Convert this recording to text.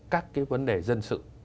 các cái vấn đề dân sự